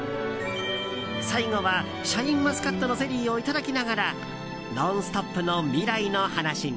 最後はシャインマスカットのゼリーをいただきながら「ノンストップ！」の未来の話に。